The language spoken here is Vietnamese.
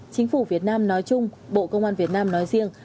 chính phủ việt nam nói chung bộ công an việt nam nói riêng